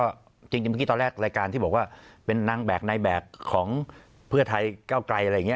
ก็จริงเมื่อกี้ตอนแรกรายการที่บอกว่าเป็นนางแบบในแบบของเพื่อไทยเก้าไกลอะไรอย่างนี้